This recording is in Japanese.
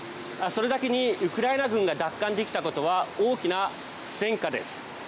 それだけにウクライナ軍が奪還できたことは大きな戦果です。